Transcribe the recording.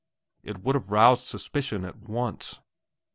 It would have roused suspicion at once.